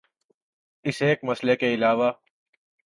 اس ایک مسئلے کے علاوہ